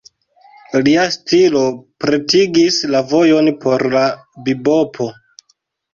Lia stilo pretigis la vojon por la bibopo.